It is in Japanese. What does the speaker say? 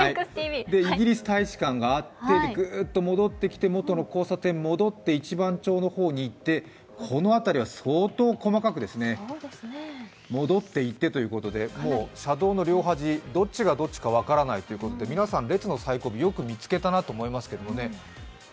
イギリス大使館があって、グーッと元の交差点に戻って一番町の方に行って、この辺は相当戻っていってということでもう車道の両端、どっちかどっちだか分からないという、皆さん、列の最後尾、よく見つけたなと思いますけどね。